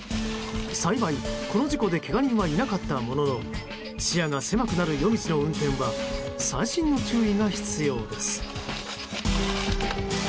幸い、この事故でけが人はいなかったものの視野が狭くなる夜道の運転は細心の注意が必要です。